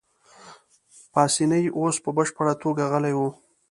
پاسیني اوس په بشپړه توګه غلی وو.